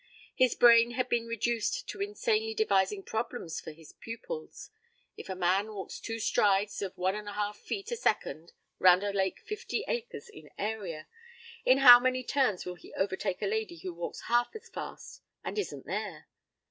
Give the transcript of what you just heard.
His brain had been reduced to insanely devising problems for his pupils if a man walks two strides of one and a half feet a second round a lake fifty acres in area, in how many turns will he overtake a lady who walks half as fast and isn't there?